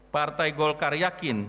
partai golkar yakin